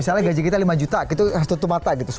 misalnya gaji kita lima juta kita tutup mata gitu